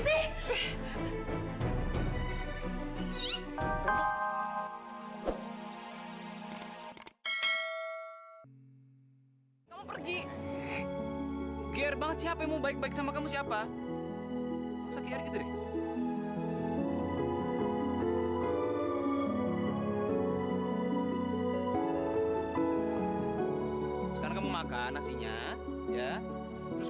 hai kamu pergi gear banget siapa mau baik baik sama kamu siapa sekarang makan nasinya ya terus